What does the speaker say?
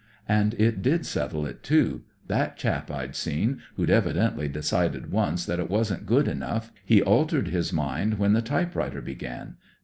And it did settle it, too. That chap I'd seen, who'd evidently decided once that it wasn't good enough, he altered his mind when the typewriter began.